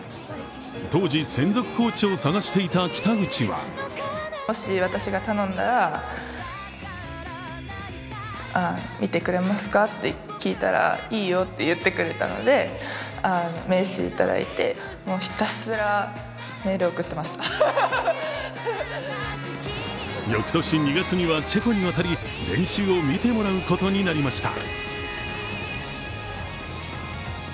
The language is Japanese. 当時、専属コーチを探していた北口は翌年２月にはチェコに渡り、練習を見てもらうことになりました。